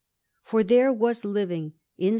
For there was living in S.